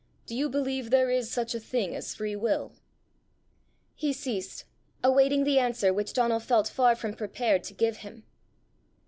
Do you believe there is such a thing as free will?" He ceased, awaiting the answer which Donal felt far from prepared to give him.